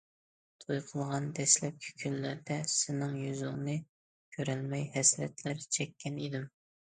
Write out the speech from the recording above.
توي قىلغان دەسلەپكى كۈنلەردە سېنىڭ يۈزۈڭنى كۆرەلمەي ھەسرەتلەر چەككەن ئىدىم!